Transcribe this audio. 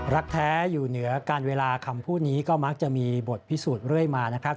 รักแท้อยู่เหนือการเวลาคำพูดนี้ก็มักจะมีบทพิสูจน์เรื่อยมานะครับ